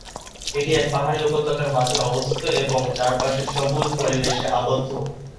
এটি এক পাহাড়ি উপত্যকার মাঝে অবস্থিত এবং চারপাশে সবুজ পরিবেশে আবদ্ধ।